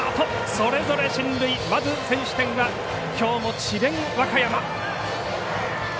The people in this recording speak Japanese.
それぞれ進塁まず先取点はきょうも智弁和歌山。